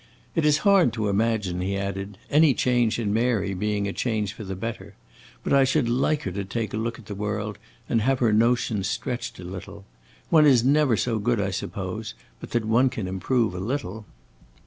It is hard to imagine," he added, "any change in Mary being a change for the better; but I should like her to take a look at the world and have her notions stretched a little. One is never so good, I suppose, but that one can improve a little."